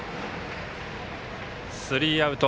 スリーアウト。